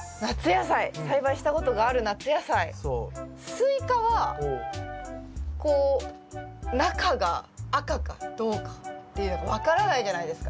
スイカはこう中が赤かどうかっていうの分からないじゃないですか。